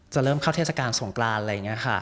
เริ่มเข้าเทศกาลสงกรานอะไรอย่างนี้ค่ะ